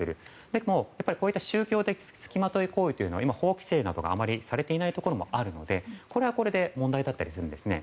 でも、宗教的付きまといは今、法規制などがあまりされていないところもあるのでこれはこれで問題だったりするんですね。